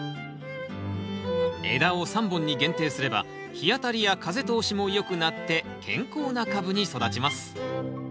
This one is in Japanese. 枝を３本に限定すれば日当たりや風通しもよくなって健康な株に育ちます。